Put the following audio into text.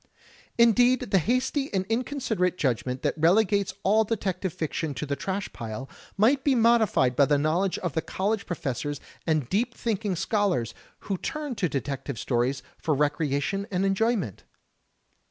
Indeed, the hasty and inconsiderate judgment that relegates all detective fiction to the trash pile, might be modified by the knowledge of the college professors and deep thinking scholars who turn to detective stories for recreation and enjoyment.